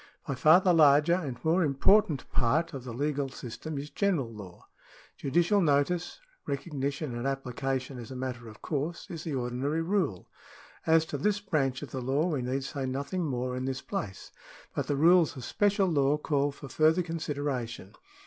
By far the larger and more important part of the legal system is general law. Judicial notice — recognition and application as a matter of course — is the ordinary rule. As to this branch of the law we need say nothing more in this place, but the rules of special law call for further considera tion.